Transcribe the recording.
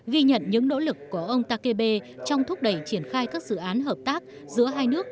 ghi nhận những nỗ lực của ông takebe trong thúc đẩy triển khai các dự án hợp tác giữa hai nước